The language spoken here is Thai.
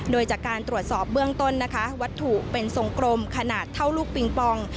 โดยจากการตรวจสอบเบื้องต้นนะคะวัตถุเป็นทรงกลมขนาดเท่าลูกปิงปอง